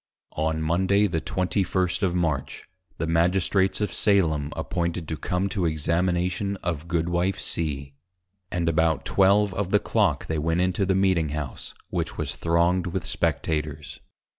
On Monday the 21st. of March, the Magistrates of Salem appointed to come to Examination of Goodwife C. And about Twelve of the Clock they went into the Meeting House, which was thronged with Spectators.